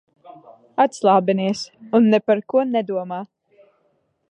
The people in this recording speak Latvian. Atslābinies un ne par ko nedomā.